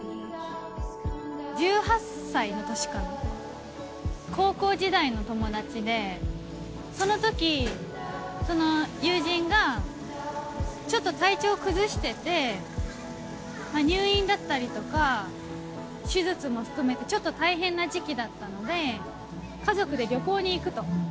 １８歳の年かな、高校時代の友達で、そのとき、その友人がちょっと体調を崩してて、入院だったりとか、手術も含めて、ちょっと大変な時期だったので、家族で旅行に行くと。